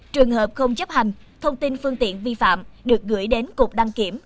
trường hợp không chấp hành thông tin phương tiện vi phạm được gửi đến cục đăng kiểm